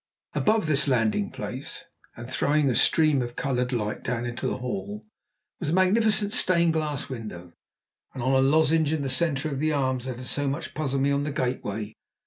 Above this landing place, and throwing a stream of coloured light down into the hall, was a magnificent stained glass window, and on a lozenge in the centre of it the arms that had so much puzzled me on the gateway.